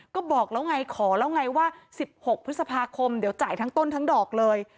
ก็บอกแล้วไงขอแล้วไงว่า๑๖พฤษภาคมเดี๋ยวจ่ายทั้งต้นทั้งดอกเลย